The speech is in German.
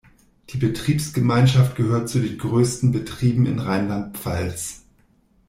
Die Betriebsgemeinschaft gehört zu den größten Betrieben in Rheinland-Pfalz.